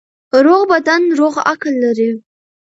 روغ بدن روغ عقل لري.